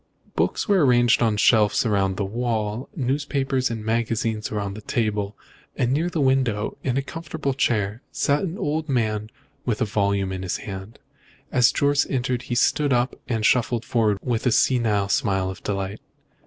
Books were arranged on shelves round the walls, newspapers and magazines were on the table, and near the window, in a comfortable chair, sat an old man with a volume in his hand. As Jorce entered he stood up and shuffled forward with a senile smile of delight.